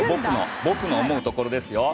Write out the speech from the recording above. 僕の思うところですよ。